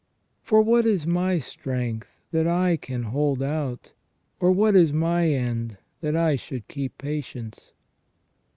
... For what is my strength that I can hold out ? or what is my end that I should keep patience